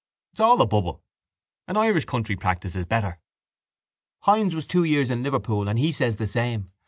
—That's all a bubble. An Irish country practice is better. —Hynes was two years in Liverpool and he says the same.